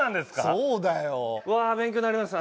そうだよ。わあ勉強になりました。